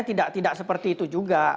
tidak seperti itu juga